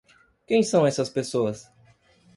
Quem são essas pessoas?